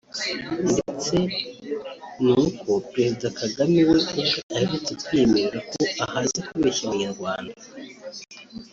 ndetse n’uko Président Kagame we ubwe aherutse kwiyemerera ko ahaze kubeshya abanyarwanda